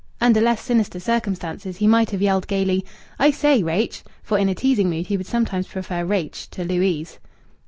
Under less sinister circumstances he might have yelled gaily: "I say, Rache!" for in a teasing mood he would sometimes prefer "Rache" to "Louise."